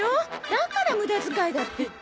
だから無駄遣いだって言って。